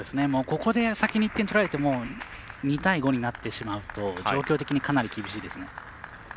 ここで先に１点取られても２対５になってしまうと状況的にかなり厳しいですね。